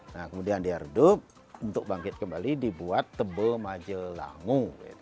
nah kemudian diredup untuk bangkit kembali dibuat tebel majelangu